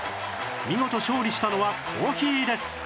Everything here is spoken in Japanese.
見事勝利したのはコーヒーです